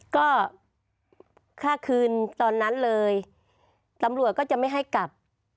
ก็ค่าคืนตอนนั้นเลยตำรวจก็จะไม่ให้กลับ